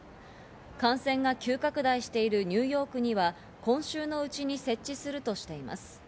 感染が急拡大しているニューヨークには今週のうちに設置するとしています。